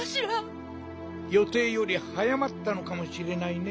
よていよりはやまったのかもしれないね。